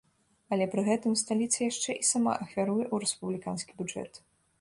Але пры гэтым сталіца яшчэ і сама ахвяруе ў рэспубліканскі бюджэт.